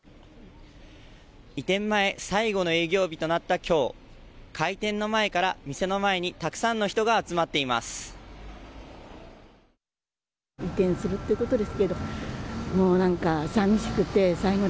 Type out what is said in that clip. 移転前最後の営業日となったきょう開店の前から店の前にたくさんの人が集まっています。